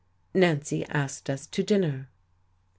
Nancy asked us to dinner.